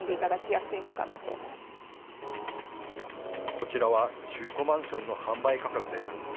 こちらは中古マンションの販売価格です。